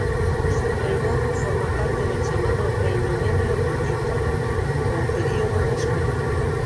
O seu reinado forma parte do chamado Reino Medio Hitita ou período escuro.